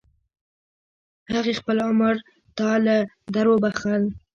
هغې خپل عمر تا له دروبخل.